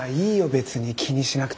別に気にしなくて。